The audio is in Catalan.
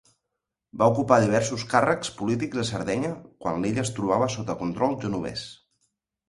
Va ocupar diversos càrrecs polítics a Sardenya quan l'illa es trobava sota control genovès.